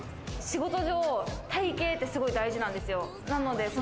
仕事上、体形ってすごい大事なんですよ。